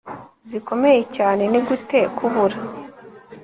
zikomeye cyane ni gute kubura